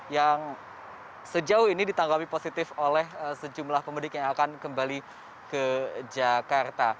yang sejauh ini ditanggapi positif oleh sejumlah pemudik yang akan kembali ke jakarta